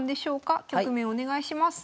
局面お願いします。